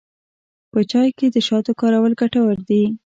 په چای کې د شاتو کارول ګټور دي.